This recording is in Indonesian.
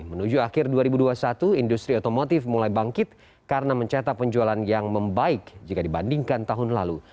menuju akhir dua ribu dua puluh satu industri otomotif mulai bangkit karena mencetak penjualan yang membaik jika dibandingkan tahun lalu